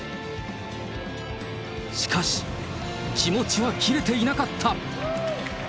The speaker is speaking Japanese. しかし、気持ちは切れていなかった。